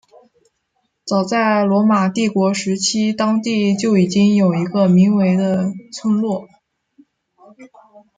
早在罗马帝国时期当地就已经有一个名为的村落。